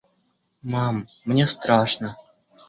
Мам, мне страшно.